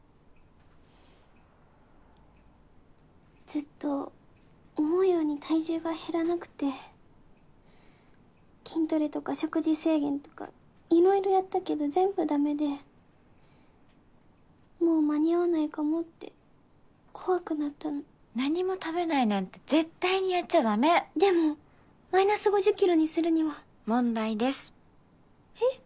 ずっと思うように体重が減らなくて筋トレとか食事制限とか色々やったけど全部ダメでもう間に合わないかもって怖くなったの何も食べないなんて絶対にやっちゃダメでもマイナス５０キロにするには問題ですえっ？